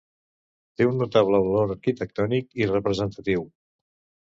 Té un notable valor arquitectònic i representatiu.